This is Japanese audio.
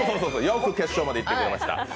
よく決勝までいってくれました。